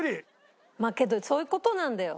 まあけどそういう事なんだよ。